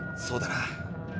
そうだな。